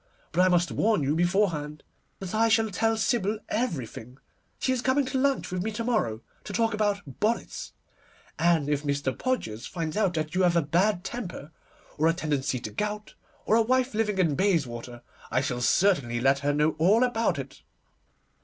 But I must warn you beforehand that I shall tell Sybil everything. She is coming to lunch with me to morrow, to talk about bonnets, and if Mr. Podgers finds out that you have a bad temper, or a tendency to gout, or a wife living in Bayswater, I shall certainly let her know all about it.